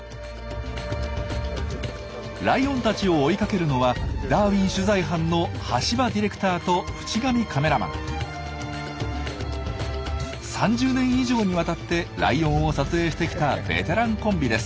ライオンたちを追いかけるのはダーウィン取材班の３０年以上にわたってライオンを撮影してきたベテランコンビです。